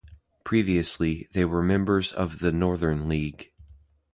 Previously, they were members of the Northern League.